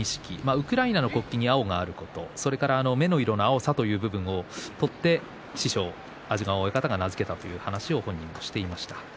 ウクライナの国旗に青があること目の色の青というところを取って師匠の安治川親方が名付けたと本人が話していました。